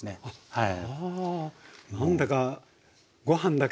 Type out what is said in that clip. はい。